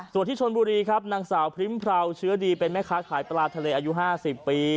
ส่วนที่ชนบุรีครับนางสาวพริมพราวเชื้อดีเป็นแม่ค้าขายปลาทะเลอายุ๕๐ปี